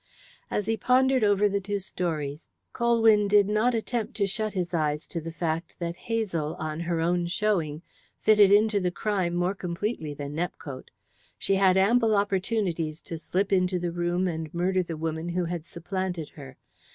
As he pondered over the two stories Colwyn did not attempt to shut his eyes to the fact that Hazel, on her own showing, fitted into the crime more completely than Nepcote. She had ample opportunities to slip into the room and murder the woman who had supplanted her.